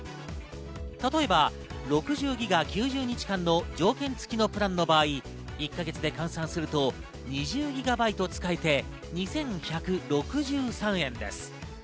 例えば６０ギガ９０日間の条件付きのプランの場合、１か月で換算すると、２０ギガバイト使えて２１６３円です。